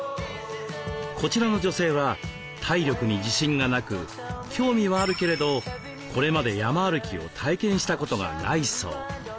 こちらの女性は体力に自信がなく興味はあるけれどこれまで山歩きを体験したことがないそう。